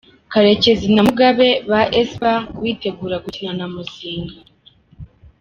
Karekezi na Mugabe ba Espoir bitegura gukina na Muzinga.